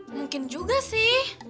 mungkin juga sih